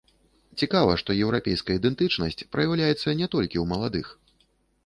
Цікава, што еўрапейская ідэнтычнасць праяўляецца не толькі ў маладых.